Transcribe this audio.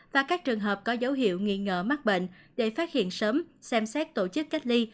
và các trường hợp có dấu hiệu nghi ngờ mắc bệnh để phát hiện sớm xem xét tổ chức cách ly